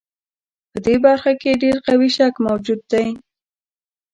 په دې برخه کې ډېر قوي شک موجود دی.